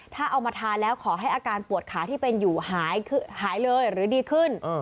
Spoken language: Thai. ถ้าเอามาทานแล้วขอให้อาการปวดขาที่เป็นอยู่หายเลยหรือดีขึ้น